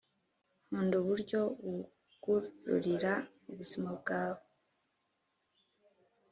nkunda uburyo wugururira ubuzima bwawe